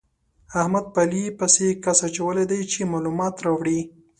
احمد په علي پسې کس اچولی دی چې مالومات راوړي.